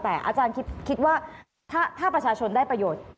แต่อาจารย์คิดว่าถ้าประชาชนได้ประโยชน์